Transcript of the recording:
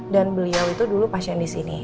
dan beliau itu dulu pasien disini